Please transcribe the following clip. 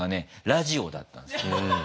ラジオだったんですよね。